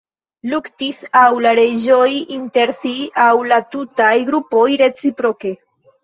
Luktis aŭ la reĝoj inter si aŭ la tutaj grupoj reciproke.